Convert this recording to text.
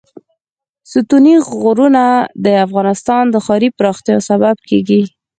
ستوني غرونه د افغانستان د ښاري پراختیا سبب کېږي.